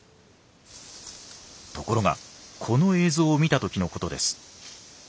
ところがこの映像を見た時のことです。